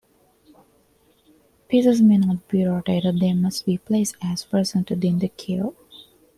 Pieces may not be rotated; they must be placed as presented in the queue.